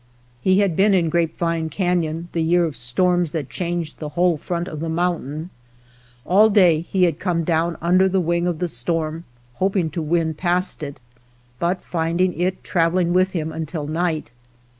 He had been in Grape vine Cafion the year of storms that changed the whole front of the moun tain. All day he had come down under the wing of the storm, hoping to win past it, but finding it traveling with him until night.